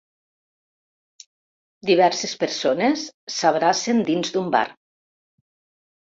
Diverses persones s'abracen dins d'un bar